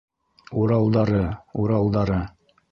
Уралдары, Уралдары